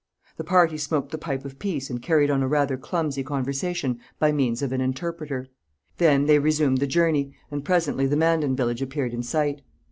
The party smoked the pipe of peace and carried on a rather clumsy conversation by means of an interpreter. Then they resumed the journey and presently the Mandan village appeared in sight.